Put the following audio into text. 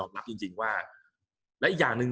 กับการสตรีมเมอร์หรือการทำอะไรอย่างเงี้ย